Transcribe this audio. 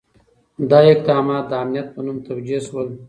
دا اقدامات د امنیت په نوم توجیه شول.